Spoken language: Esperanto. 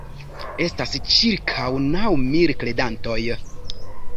Estas ĉirkaŭ naŭ mil kredantoj.